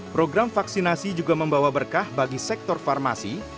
program vaksinasi juga membawa berkah bagi sektor farmasi